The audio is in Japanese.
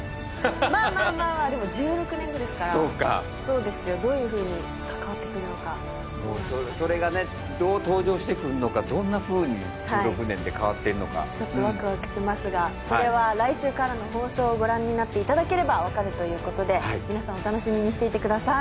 まあまあまあまあでも１６年後ですからそうですよどういうふうに関わってくるのかそれがねどう登場してくるのかどんなふうに１６年で変わってるのかちょっとワクワクしますがそれは来週からの放送をご覧になっていただければ分かるということで皆さんお楽しみにしていてください